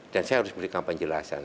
dan saya harus memberikan penjelasan